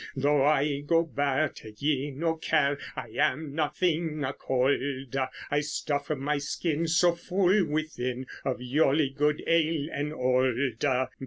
Thoughe I go bare, take ye no care, I am nothinge a colde, I stuffe my skyn so full within Of ioly good ale and olde.